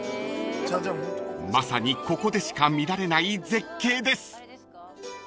［まさにここでしか見られない絶景です］